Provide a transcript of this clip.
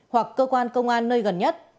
hoặc cơ quan công an nơi gần nhất